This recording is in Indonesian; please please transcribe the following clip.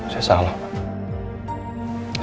saya salah pak